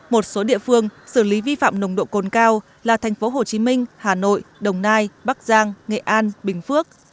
một số địa phương xử lý vi phạm nồng độ cồn cao là thành phố hồ chí minh hà nội đồng nai bắc giang nghệ an bình phước